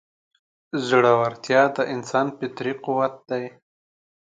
زړهورتیا د انسان فطري قوت دی.